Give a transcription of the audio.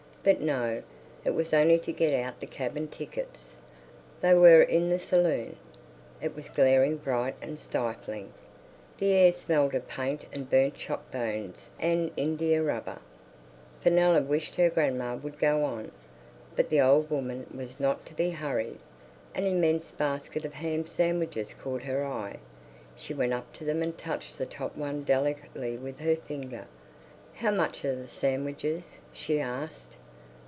But no, it was only to get out the cabin tickets. They were in the saloon. It was glaring bright and stifling; the air smelled of paint and burnt chop bones and indiarubber. Fenella wished her grandma would go on, but the old woman was not to be hurried. An immense basket of ham sandwiches caught her eye. She went up to them and touched the top one delicately with her finger. "How much are the sandwiches?" she asked.